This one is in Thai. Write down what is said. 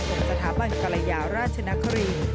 ของสถาบันกรยาราชนคริน